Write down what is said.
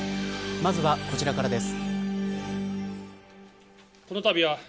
まずは、こちらからです。